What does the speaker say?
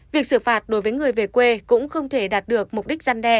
việc xử phạt đối với người về quê cũng không thể đạt được mục đích gian đe